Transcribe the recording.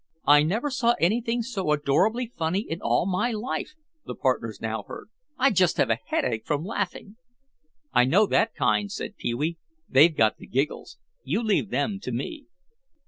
"I never saw anything so adorably funny in all my life" the partners now heard. "I just have a headache from laughing." "I know that kind," said Pee wee; "they've got the giggles. You leave them to me."